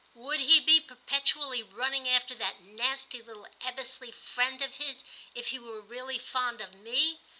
Would he be perpetually running after that nasty little Ebbesley friend of his, if he were really fond of me